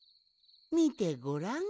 みてごらん。